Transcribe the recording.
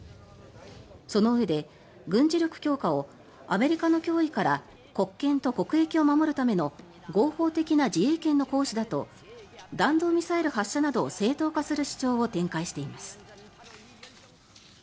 そのうえで、軍事力強化をアメリカの脅威から国権と国益を守るための合法的な自衛権の行使だと弾道ミサイル発射などを正当化する主張を展開しています。